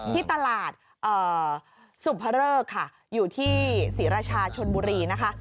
ที่ตลาดสุภเริกค่ะอยู่ที่ศรีราชาชนบุรีนะคะ